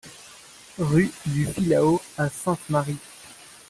Rue du Filao à Sainte-Marie